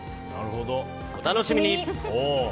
お楽しみに。